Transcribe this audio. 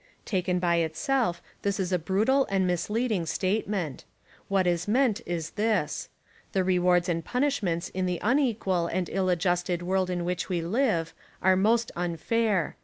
Taken by itself this is a brutal and misleading statement. What is meant is this. The rewards and punishments in the unequal and ill adjusted world in which we live are most unfair.